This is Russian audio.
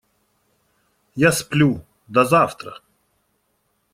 Я сплю, до завтра!